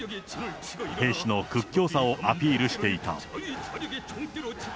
兵士の屈強さをアピールしていた。